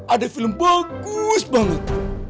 ada film bagus banget